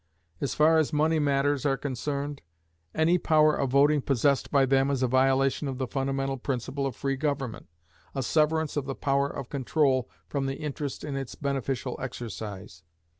As far as money matters are concerned, any power of voting possessed by them is a violation of the fundamental principle of free government, a severance of the power of control from the interest in its beneficial exercise.